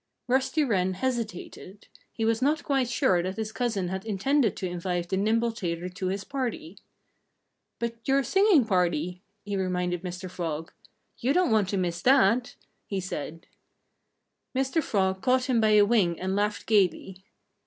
Rusty Wren hesitated. He was not quite sure that his cousin had intended to invite the nimble tailor to his party. "But your singing party!" he reminded Mr. Frog. "You don't want to miss that!" he said. Mr. Frog caught him by a wing and laughed gaily.